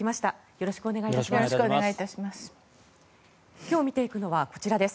よろしくお願いします。